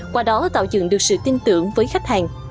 qua đó tạo dựng được sự tin tưởng với khách hàng